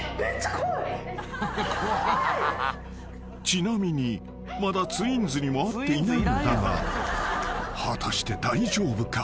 ［ちなみにまだツインズにも会っていないのだが果たして大丈夫か？］